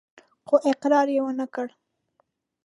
خو اقرار يې ونه کړ.